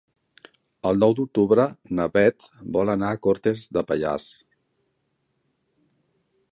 El nou d'octubre na Beth vol anar a Cortes de Pallars.